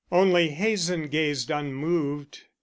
Only Hazen gazed unmoved.